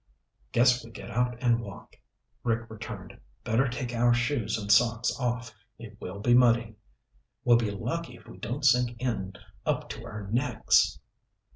"Guess we get out and walk," Rick returned. "Better take our shoes and socks off. It will be muddy." "We'll be lucky if we don't sink in up to our necks."